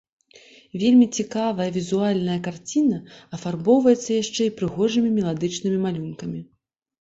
Вельмі цікавая візуальная карціна афарбоўваецца яшчэ і прыгожымі меладычнымі малюнкамі.